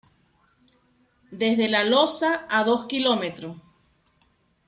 Desde La Losa, a dos km.